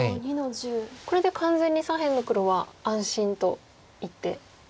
これで完全に左辺の黒は安心といっていいですか？